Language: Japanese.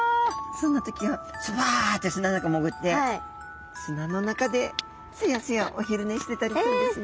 そんな時はスバッて砂の中潜って砂の中でスヤスヤお昼寝してたりするんですね。